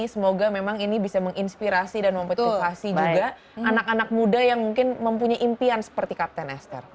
semoga memang ini bisa menginspirasi dan memotivasi juga anak anak muda yang mungkin mempunyai impian seperti kapten esther